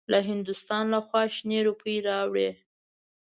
له هندوستان لخوا شنې روپۍ راوړې.